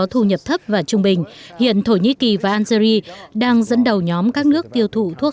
thu nhập thấp và trung bình hiện thổ nhĩ kỳ và algeria đang dẫn đầu nhóm các nước tiêu thụ thuốc